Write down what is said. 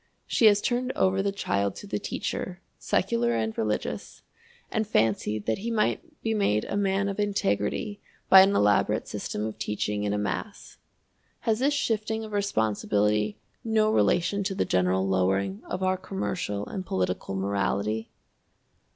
She has turned over the child to the teacher, secular and religious, and fancied that he might be made a man of integrity by an elaborate system of teaching in a mass. Has this shifting of responsibility no relation to the general lowering of our commercial and political morality?